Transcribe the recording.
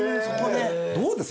どうです？